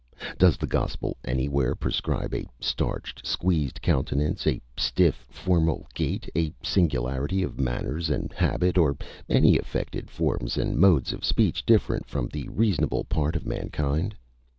Does the Gospel anywhere prescribe a starched, squeezed countenance, a stiff formal gait, a singularity of manners and habit, or any affected forms and modes of speech different from the reasonable part of mankind?